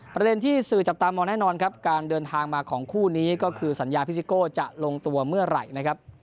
ประเด็นที่สื่อจับตามองแน่นอนครับการเดินทางมาของคู่นี้ก็คือสัญญาพิซิโก้จะลงตัวเมื่อไหร่นะครับ